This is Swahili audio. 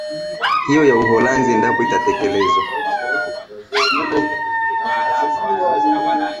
a hiyo ya uholanzi endapo itatekelezwa